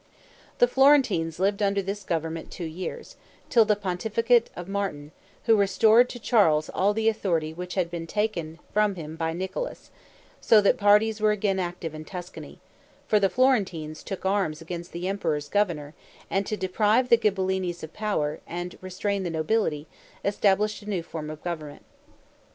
The Florentines lived under this government two years, till the pontificate of Martin, who restored to Charles all the authority which had been taken from him by Nicholas, so that parties were again active in Tuscany; for the Florentines took arms against the emperor's governor, and to deprive the Ghibellines of power, and restrain the nobility, established a new form of government.